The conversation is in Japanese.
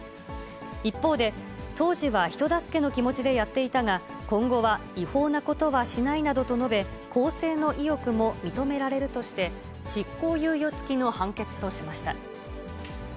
一方で、当時は人助けの気持ちでやっていたが、今後は違法なことはしないなどと述べ、更生の意欲も認められるとして、執行猶予付きの判決としました。